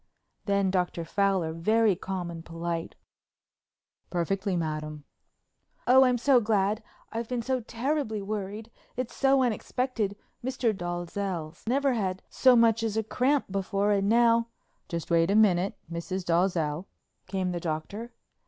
Then Dr. Fowler, very calm and polite: "Perfectly, madam." "Oh, I'm so glad—I've been so terribly worried. It's so unexpected. Mr. Dalzell's never had so much as a cramp before and now——" "Just wait a minute, Mrs. Dalzell," came the Doctor.